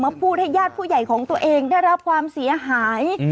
พูดให้ญาติผู้ใหญ่ของตัวเองได้รับความเสียหาย